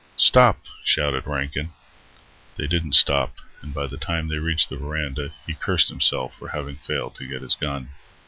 "Stop!" shouted Rankin. They didn't stop, and by the time they reached the verandah, he cursed himself for having failed to get his gun.